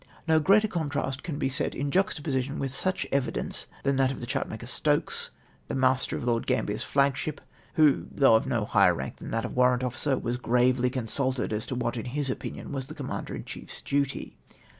No greater contrast can be set in juxtaposition with such evidence than that of the chartniaker Stokes, the master of Lord Gam bier's liagship, who, though of no higher rank than that of a warrant officer, was gravely consulted as to what, in his opinion, was the Connnander in chief's duty